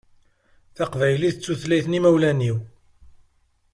Taqbaylit d tutlayt n imawlan-iw.